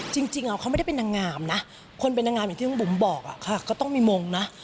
จริงเขาไม่ได้เป็นนางงามนะคนเป็นนางงามอย่างที่คุณบุ๋มบอกค่ะก็ต้องมีมงนะ